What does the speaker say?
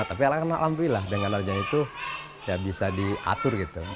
tapi alhamdulillah dengan adanya itu ya bisa diatur gitu